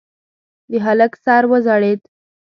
د هلک سر وځړېد.